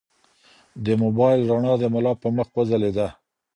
د موبایل رڼا د ملا په مخ وځلېده.